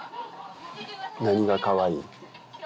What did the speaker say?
何がかわいい？